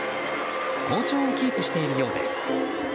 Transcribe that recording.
好調をキープしているようです。